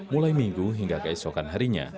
mulai minggu hingga keesokan harinya